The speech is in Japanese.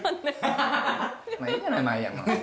まあいいじゃないまいやんも。